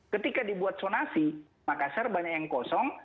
ketika dibuat sonasi makassar banyak yang kosong